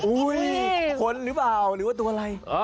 คนหรือเปล่าหรือว่าตัวอะไร